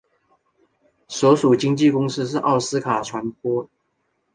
所属经纪公司是奥斯卡传播。